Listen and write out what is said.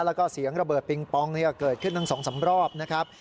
แล้วก็เสียงระเบิดปิงปองเกิดขึ้นทั้ง๒๓รอบนะครับ